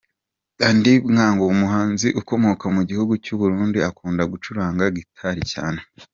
Andy Mwag umuhanzi ukomoka mu gihugu cy'u Burundi akunda gucuranga Guitar cyane.